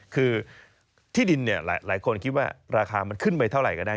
คือที่ดินหลายคนคิดว่าราคามันขึ้นไปเท่าไหร่ก็ได้